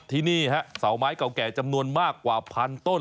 ที่นี่ฮะเสาไม้เก่าแก่จำนวนมากกว่าพันต้น